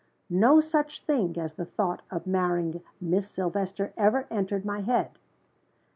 "No such thing as the thought of marrying Miss Silvester ever entered my head."